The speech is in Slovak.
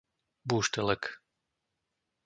Búštelek